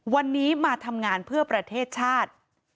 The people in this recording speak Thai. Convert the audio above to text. วันนี้มาทำงานเพื่อประเทศชาติ